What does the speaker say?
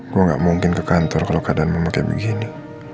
gue gak mungkin ke kantor kalau keadaan mau kayak begini